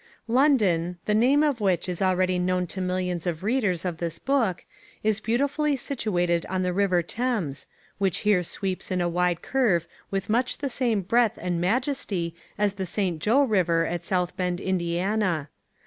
London, the name of which is already known to millions of readers of this book, is beautifully situated on the river Thames, which here sweeps in a wide curve with much the same breadth and majesty as the St. Jo River at South Bend, Indiana.